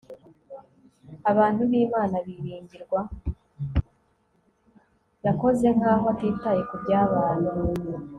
Yakoze nkaho atitaye kubyabaye